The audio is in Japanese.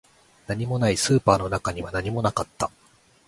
何もない、スーパーの中には何もなかった